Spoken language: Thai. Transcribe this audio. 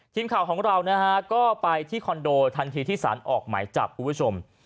ทีมข่าวของเรานะฮะก็ไปที่คอนโดทันทีที่สารออกหมายจับคุณผู้ชม